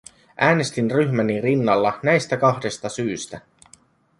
Äänestin ryhmäni rinnalla näistä kahdesta syystä.